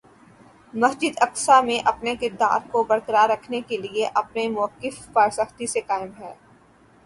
مسجد اقصیٰ میں اپنے کردار کو برقرار رکھنے کے لیے اپنے مؤقف پر سختی سے قائم ہے-